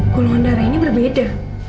gulungan darah ini berbeda